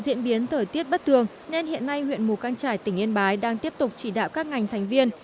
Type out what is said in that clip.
diễn biến thời tiết bất thường nên hiện nay huyện mù căng trải tỉnh yên bái đang tiếp tục chỉ đạo các ngành thành viên